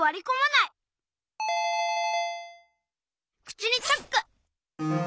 くちにチャック！